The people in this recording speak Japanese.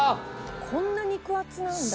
こんな肉厚なんだ。